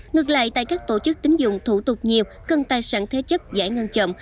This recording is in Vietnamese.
ngược lại tại các tổ chức tính dụng thủ tục nhiều cần tài sản thế chấp giải ngân chậm